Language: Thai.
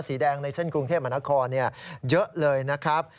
สีแดงในเส้นกรุงเทพมหานครเยอะเลยนะครับ